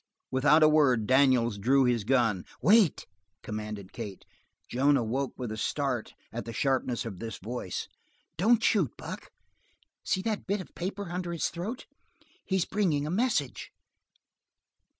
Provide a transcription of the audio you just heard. Without a word, Daniels drew his gun. "Wait!" commanded Kate. Joan awoke with a start at the sharpness of this voice. "Don't shoot, Buck. See that bit of paper under his throat. He's bringing a message."